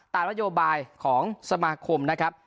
ตามนโยบายของสมาคมนะครับ